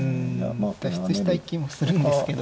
脱出したい気もするんですけど。